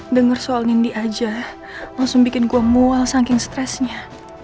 denger soal nindi aja langsung bikin gue mual saking stresnya